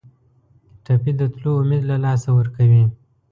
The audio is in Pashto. ټپي د تلو امید له لاسه ورکوي.